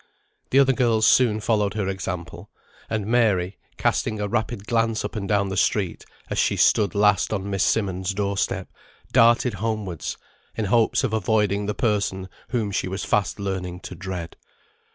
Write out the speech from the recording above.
The other girls soon followed her example, and Mary, casting a rapid glance up and down the street, as she stood last on Miss Simmonds' door step, darted homewards, in hopes of avoiding the person whom she was fast learning to dread.